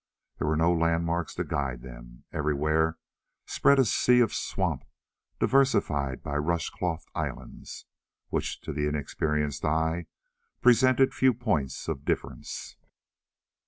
There were no landmarks to guide them; everywhere spread a sea of swamp diversified by rush clothed islands, which to the inexperienced eye presented few points of difference.